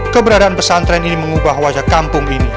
keberadaan pesantren ini mengubah wajah kampung ini